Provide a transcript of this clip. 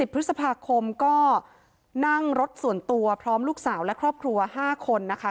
พฤษภาคมก็นั่งรถส่วนตัวพร้อมลูกสาวและครอบครัว๕คนนะคะ